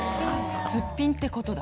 すっぴんってことだ。